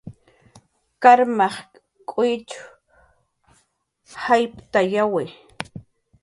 Karmaq k'uwitx jayptayawi